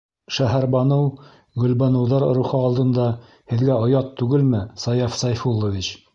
- Шәһәрбаныу, Гөлбаныуҙар рухы алдында һеҙгә оят түгелме, Саяф Сәйфуллович?